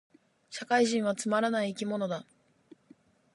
社会人はつまらない生き物だ